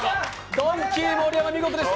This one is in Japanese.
ドンキー・盛山、見事でした。